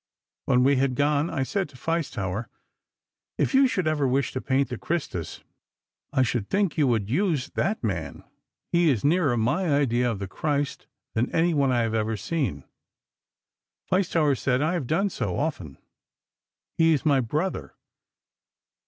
When he had gone I said to Feistauer: 'If you should ever wish to paint the Christus, I should think you would use that man. He is nearer my idea of the Christ than anyone I have ever seen.' Feistauer said: 'I have done so, often. He is my brother!